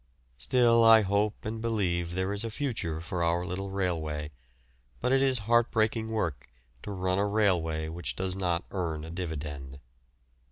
Still I hope and believe there is a future for our little railway, but it is heartbreaking work to run a railway which does not earn a dividend.